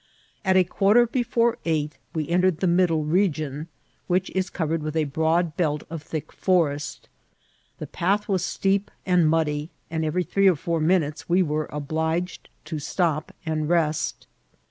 At a quarter before eight we entered the middle region, which is covered with a broad belt of thick forest ; the path was steep and muddy, and every three or four minutes we were obliged to stop and rest.